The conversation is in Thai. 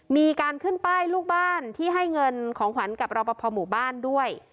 มีการขึ้นป้ายลูกบ้านที่ให้เงินของขวัญกับรอปภหมู่บ้านด้วย